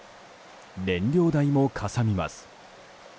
燃料代もかさみます。